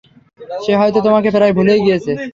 সে হয়তো তোমাকে প্রায় ভুলেই গেয়েছে।